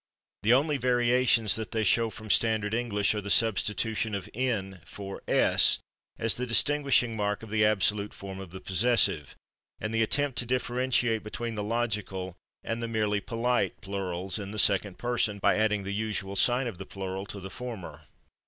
The only variations that they show from standard English are the substitution of /n/ for /s/ as the distinguishing mark of the absolute form of the possessive, and the attempt to differentiate between the logical and the merely polite plurals in the second person by adding the usual sign of the plural to the former.